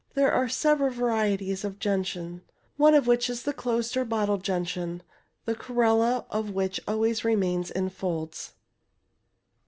There are several varieties of gentians, one of which is the closed or bottle gentian, the coroUa of which always remains in folds.